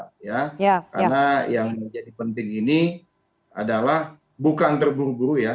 karena yang menjadi penting ini adalah bukan terburu buru ya